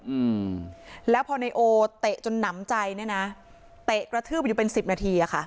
อืมแล้วพอนายโอเตะจนหนำใจเนี้ยนะเตะกระทืบอยู่เป็นสิบนาทีอ่ะค่ะ